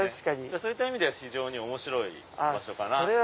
そういった意味では非常に面白い場所。